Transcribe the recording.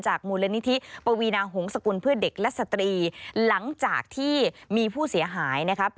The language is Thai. มูลนิธิปวีนาหงษกุลเพื่อเด็กและสตรีหลังจากที่มีผู้เสียหายนะครับ